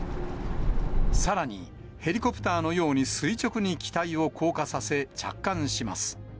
さらに、ヘリコプターのように垂直に機体を降下させ、着艦します。